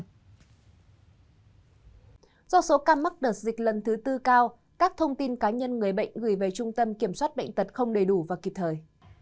do số ca mắc đợt dịch lần thứ tư cao các thông tin cá nhân người bệnh gửi về trung tâm kiểm soát bệnh tật không đầy đủ và kịp thời